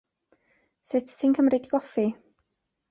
Sut ti'n cymryd dy goffi?